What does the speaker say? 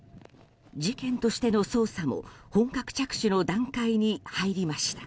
事件としての捜査も本格着手の段階に入りました。